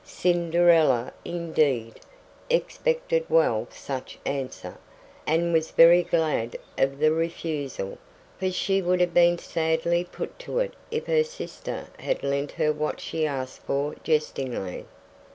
Cinderella, indeed, expected well such answer, and was very glad of the refusal; for she would have been sadly put to it if her sister had lent her what she asked for jestingly.